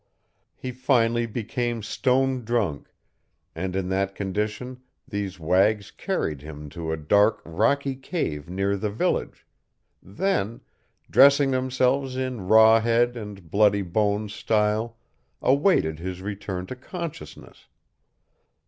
He finally became stone drunk; and in that condition these wags carried him to a dark rocky cave near the village, then, dressing themselves in raw head and bloody bones' style, awaited his return to consciousness.